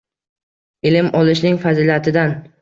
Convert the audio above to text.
Ilm olishning fazilatidan